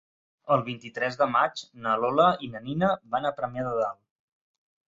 El vint-i-tres de maig na Lola i na Nina van a Premià de Dalt.